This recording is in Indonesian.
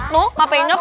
mau gak penyok